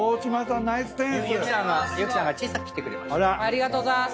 ありがとうございます。